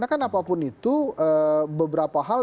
kenapa pun itu beberapa hal